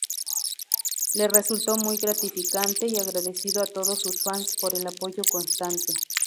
Le resultó muy gratificante y agradeció a todos sus fans por el apoyo constante.